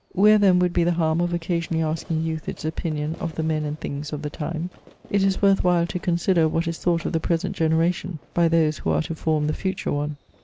Where then would be the harm of occasionally asking youth its opinion of the men and things of the time ? It is worth while to consider what is thought of the present generation by those who are to form the future one.